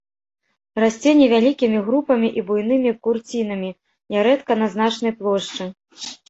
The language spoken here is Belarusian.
Расце невялікімі групамі і буйнымі курцінамі, нярэдка на значнай плошчы.